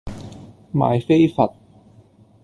賣飛佛